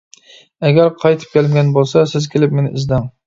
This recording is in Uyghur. ئەگەر قايتىپ كەلمىگەن بولسا، سىز كېلىپ مېنى ئىزدەڭ.